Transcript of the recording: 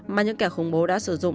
mà những kẻ khủng bố đã sử dụng